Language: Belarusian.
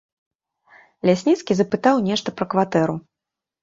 Лясніцкі запытаў нешта пра кватэру.